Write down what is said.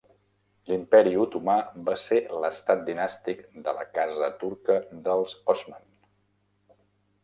L"Imperi otomà va ser l"estat dinàstic de la Casa turca dels Osman.